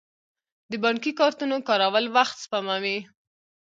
د بانکي کارتونو کارول وخت سپموي.